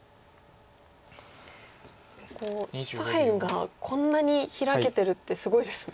左辺がこんなにヒラけてるってすごいですね。